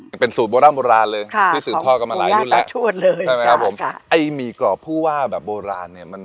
เห้มีก่อผู้ว่าแบบโบราณ